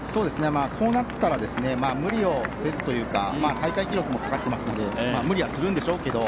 こうなったら無理をせずというか大会記録もかかっていますので無理はするんでしょうけど。